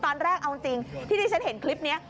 ตอนแรกเอาจริงที่ที่ฉันเห็นคลิปนี้